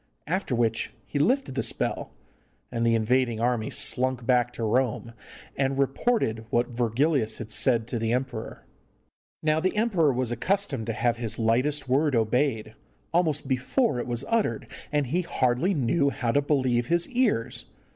After which he lifted the spell, and the invading army slunk back to Rome, and reported what Virgilius had said to the emperor. Now the emperor was accustomed to have his lightest word obeyed, almost before it was uttered, and he hardly knew how to believe his ears.